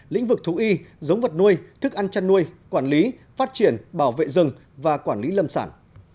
lĩnh vực thú y giống vật nuôi thức ăn chăn nuôi quản lý phát triển bảo vệ rừng và quản lý lâm sản